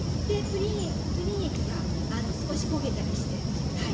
プリン液があの少し焦げたりしてはい。